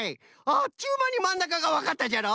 あっちゅうまにまんなかがわかったじゃろ？